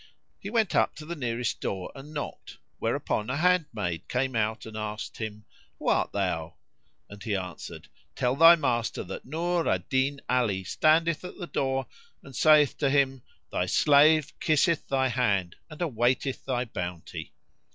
He went up to the nearest door and knocked; whereupon a handmaid came out and asked him, "Who art thou?"; and he answered, "Tell thy master that Nur al Din Ali standeth at the door and saith to him, 'Thy slave kisseth thy hand and awaiteth thy bounty.'"